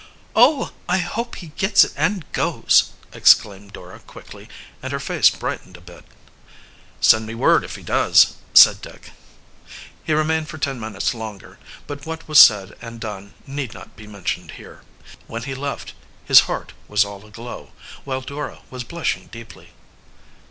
"Oh, I hope he gets it and goes!" exclaimed Dora quickly, and her face brightened a bit. "Send me word if he does," said Dick. He remained for ten minutes longer, but what was said and done need not be mentioned here. When he left his heart was all aglow, while Dora was blushing deeply.